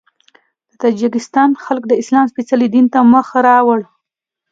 د تاجکستان خلک د اسلام سپېڅلي دین ته مخ راوړ.